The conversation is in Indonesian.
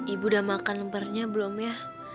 ibu udah makan lemparnya belum ya